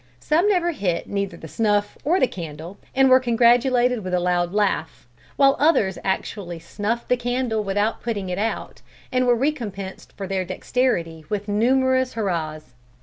Some never hit neither the snuff or the candle, and were congratulated with a loud laugh; while others actually snuffed the candle without putting it out, and were recompensed for their dexterity with numerous hurrahs.